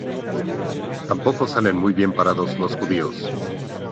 Tampoco salen muy bien parados los judíos.